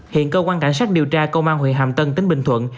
hiện cơ quan cảnh sát điều tra công an huyện hàm tân tỉnh bình thuận